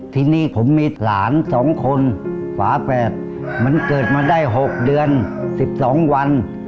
ทีนี้ผมมีหลาน๒คนฝาแฝดมันเกิดมาได้๖เดือน๑๒วัน